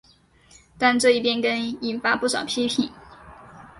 但这一变更引发不少批评。